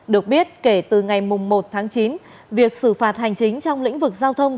được biết kể từ ngày một tháng chín việc xử phạt hành chính trong lĩnh vực giao thông